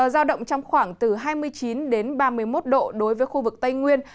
giao động trong khoảng từ hai mươi chín ba mươi một độ đối với khu vực tây nguyên